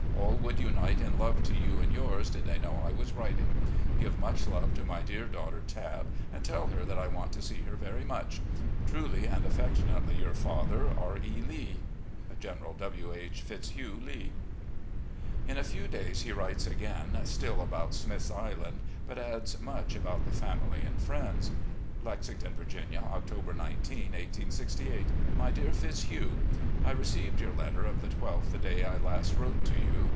All would \tnite in love to you and yours, did they know I was writing. Give much love to my dear daughter, Tabb, and tell her that I want to see her very much. "Truly and affectionately yottr father, "General W. H. Fitzhugh Lee. R. E. Lee." In a few days, he writes again, still about Smith's Island, but adds much about the family and friends : "Lexington, Virginia, October 19, 1868. "My Dear Fitzhugh: I received your letter of the 12th the day I last wrote to you.